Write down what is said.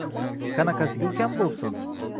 Qanaqasiga ukam bo‘lsin?